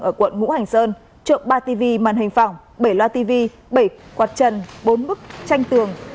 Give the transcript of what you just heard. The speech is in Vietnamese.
ở quận ngũ hành sơn trộm ba tv màn hình phỏng bảy loa tv bảy quạt trần bốn bức tranh tường